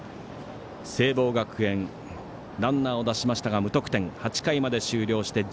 聖望学園、ランナー出しましたが無得点、８回まで終了して